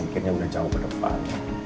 pikirnya udah jauh ke depan